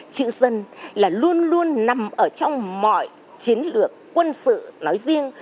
chữ dân là luôn luôn nằm ở trong mọi chiến lược quân sự nói riêng